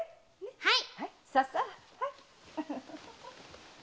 はい！